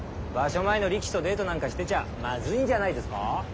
前の力士とデートなんかしてちゃまずいんじゃないですか？